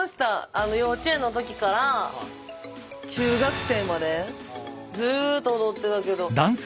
幼稚園のときから中学生までずっと踊ってたけど。